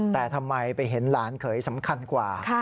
แต่ทำไมไปเห็นหลานเขยสำคัญกว่า